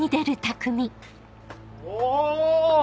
お！